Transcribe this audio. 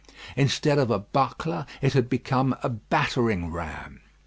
Instead of a buckler, it had become a battering ram.